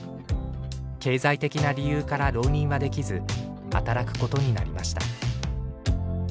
経済的な理由から浪人はできず働くことになりました。